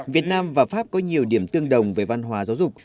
việt nam và pháp có nhiều điểm tương đồng về văn hóa giáo dục